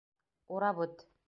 Урап үт!